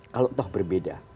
kalau toh berbeda